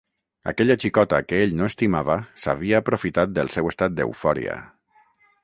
Aquella xicota que ell no estimava s’havia aprofitat del seu estat d’eufòria.